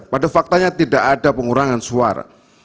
pada faktanya tidak ada pengurangan suara